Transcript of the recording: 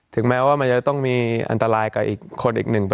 ถึงแม้ว่ามันจะต้องมีอันตรายกับคนอีก๑